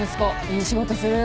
いい仕事する。